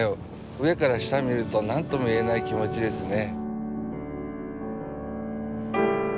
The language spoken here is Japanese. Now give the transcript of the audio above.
上から下見ると何とも言えない気持ちですね。